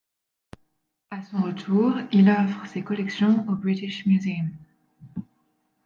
À son retour, il offre ses collections au British Museum.